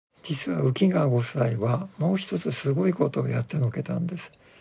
実は浮川ご夫妻はもう一つすごいことをやってのけたんです。